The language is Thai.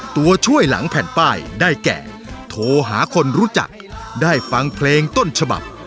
ตัวช่วยหลังแผ่นป้ายได้แก่โทรหาคนรู้จักได้ฟังเพลงต้นฉบับ